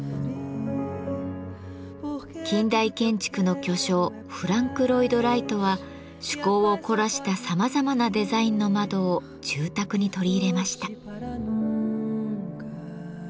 近代建築の巨匠フランク・ロイド・ライトは趣向を凝らしたさまざまなデザインの窓を住宅に取り入れました。